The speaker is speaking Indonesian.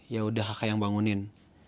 ya udah kakak yang bangunin